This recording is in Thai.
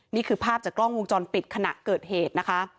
นี่คือภาพจากกล้องวงจรปิดขณะเกิดเหตุนะคะ